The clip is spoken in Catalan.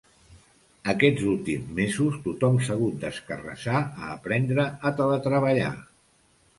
Aquests últims mesos tothom s’ha hagut d’escarrassar a aprendre a teletreballar.